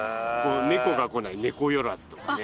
猫が来ない猫不寄とかね。